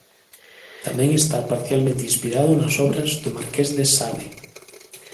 Tamén está parcialmente inspirado nas obras do Marqués de Sade.